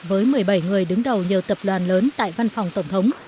với một mươi bảy người đứng đầu nhiều tập đoàn lớn tại văn phòng tổng thống